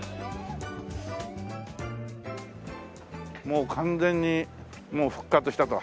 もう完全にもう復活したか。